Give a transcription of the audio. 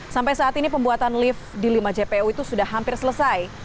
sampai saat ini pembuatan lift di lima jpo itu sudah hampir selesai